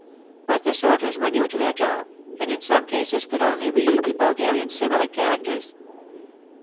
But the sorters were new to their job, and in some cases could only read the Bulgarian Cyrillic characters.